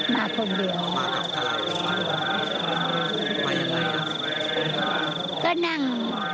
ลงหัวลำโพง